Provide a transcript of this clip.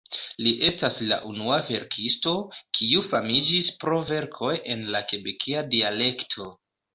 Li estas la unua verkisto, kiu famiĝis pro verkoj en la kebekia dialekto.